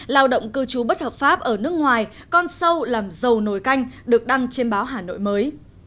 lao động cư trú bất hợp pháp ở nước ngoài con sâu làm dầu nồi canh được đăng trên báo hà nội mới